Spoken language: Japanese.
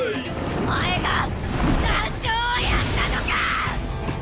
お前が団長をやったのか⁉ん。